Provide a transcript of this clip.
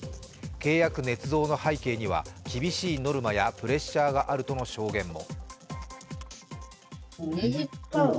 契約ねつ造の背景には厳しいノルマやプレッシャーがあるとの証言も。